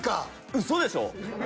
うそでしょ！